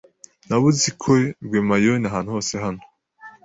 Nabuze ikoRwemaoni ahantu hose hano.